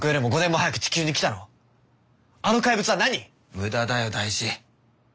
無駄だよ大志。